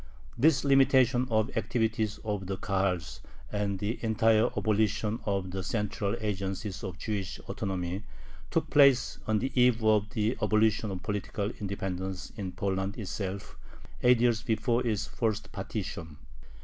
This limitation of the activities of the Kahals and the entire abolition of the central agencies of Jewish autonomy took place on the eve of the abolition of political independence in Poland itself, eight years before its first partition.